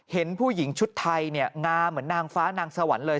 เห็นผู้หญิงชุดไทยเนี่ยงาเหมือนนางฟ้านางสวรรค์เลย